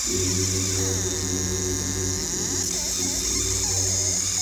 এই দুই রাজ্যে নয়জন করে জনপ্রতিনিধির বিরুদ্ধে ঝুলছে এই অপহরণের মামলা।